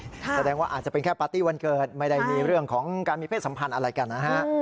แสดงว่าอาจจะเป็นแค่ปาร์ตี้วันเกิดไม่ได้มีเรื่องของการมีเพศสัมพันธ์อะไรกันนะฮะ